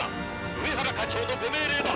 上原課長のご命令だ！